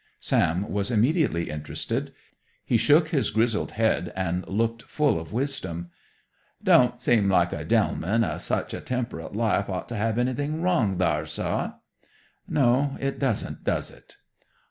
Sam was immediately interested. He shook his grizzled head and looked full of wisdom. "Don't seem like a gen'leman of such a temperate life ought to have anything wrong thar, sah." "No, it doesn't, does it?"